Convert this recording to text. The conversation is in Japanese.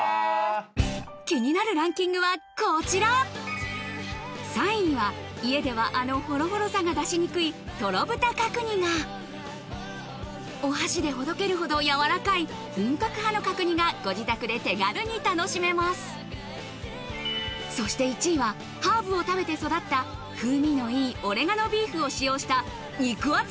気になるランキングはこちら３位には家ではあのホロホロさが出しにくいトロぶた角煮がお箸でほどけるほど軟らかい本格派の角煮がご自宅で手軽に楽しめますそして１位はハーブを食べて育った風味のいいオレガノビーフを使用した肉厚！